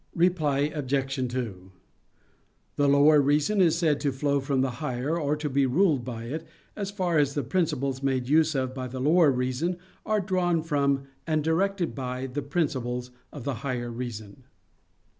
Reply Obj. 2: The lower reason is said to flow from the higher, or to be ruled by it, as far as the principles made use of by the lower reason are drawn from and directed by the principles of the higher reason.